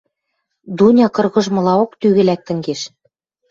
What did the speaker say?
Дуня кыргыжмылаок тӱгӹ лӓктӹн кеш.